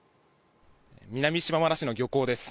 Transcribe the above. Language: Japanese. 南島原市の漁港です。